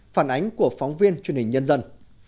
phản ánh của phóng viên truyền hình nhân dân